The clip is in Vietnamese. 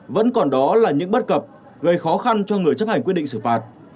vẫn còn đó là những bất cập gây khó khăn cho người chấp hành quyết định xử phạt